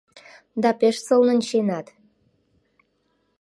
Да пеш сылнын чиенат.